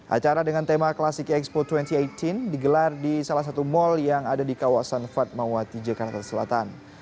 acara dengan tema klasik expo dua ribu delapan belas digelar di salah satu mal yang ada di kawasan fatmawati jakarta selatan